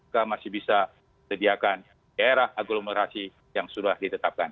kita masih bisa sediakan daerah aglomerasi yang sudah ditetapkan